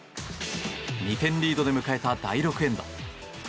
２点リードで迎えた第６エンド。